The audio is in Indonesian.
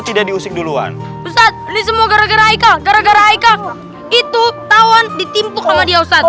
tidak diusik duluan ini semua gara gara itu tawan ditimpa dia ustadz